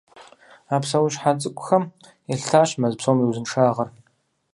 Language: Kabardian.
А псэущхьэ цӀыкӀухэм елъытащ мэз псом и узыншагъэр.